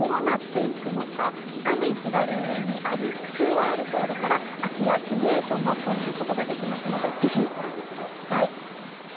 画面左上にあるＱＲコードから空き家シミュレーションマップを見ることができますので是非ご覧ください。